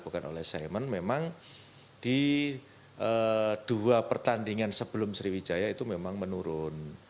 kedua pertandingan sebelum sriwijaya itu memang menurun